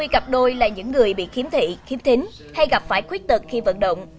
hai mươi cặp đôi là những người bị khiếm thị khiếm thính hay gặp phải khuyết tật khi vận động